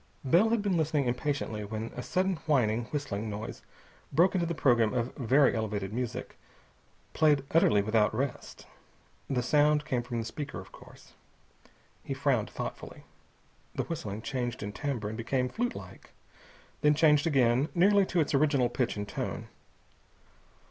Bell had been listening impatiently, when a sudden whining, whistling noise broke into the program of very elevated music, played utterly without rest. The sound came from the speaker, of course. He frowned thoughtfully. The whistling changed in timbre and became flutelike, then changed again, nearly to its original pitch and tone.